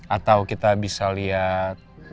atau kita bisa lihat